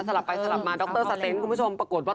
ลับไปสลับมาดรสเต็นต์คุณผู้ชมปรากฏว่า